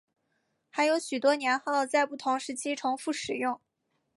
还有许多年号在不同时期重复使用。